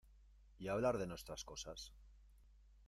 y hablar de nuestras cosas.